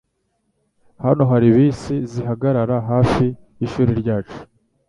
Hano hari bisi zihagarara hafi yishuri ryacu.